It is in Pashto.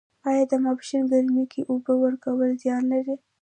آیا د ماسپښین ګرمۍ کې اوبه ورکول زیان لري؟